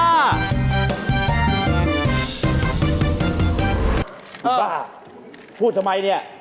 บ้าพูดทำไมนี่